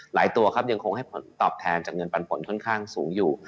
ตัวครับยังคงให้ผลตอบแทนจากเงินปันผลค่อนข้างสูงอยู่